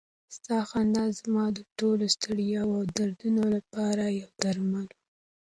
ستا خندا زما د ټولو ستړیاوو او دردونو لپاره یو درمل و.